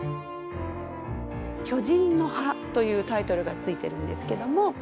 『巨人の歯』というタイトルがついているんですけども。